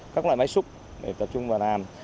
các loại máy xúc để tập trung vào làm